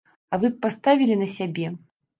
А вы б паставілі на сябе?